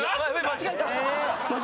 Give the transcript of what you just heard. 間違えた！